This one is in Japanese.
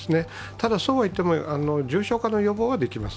ただそうはいっても重症化の予防はできます。